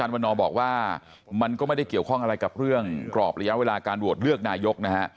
วันนอบอกว่ามันก็ไม่ได้เกี่ยวข้องอะไรกับเรื่องกรอบระยะเวลาการโหวตเลือกนายกนะฮะ